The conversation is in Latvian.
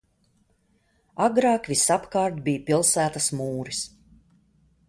Agrāk visapkārt bija pilsētas mūris.